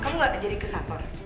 kamu gak jadi kekator